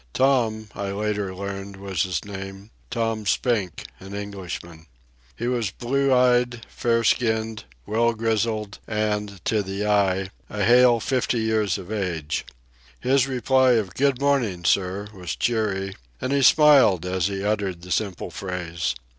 Tom, I later learned, was his name—Tom Spink, an Englishman. He was blue eyed, fair skinned, well grizzled, and, to the eye, a hale fifty years of age. His reply of "Good morning, sir" was cheery, and he smiled as he uttered the simple phrase.